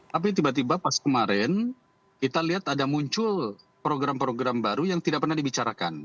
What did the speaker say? tapi tiba tiba pas kemarin kita lihat ada muncul program program baru yang tidak pernah dibicarakan